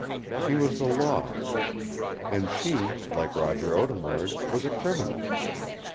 He was the Law. And she, like Roger Audemard, was a criminal.